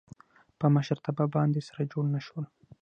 په مشرتابه باندې سره جوړ نه شول.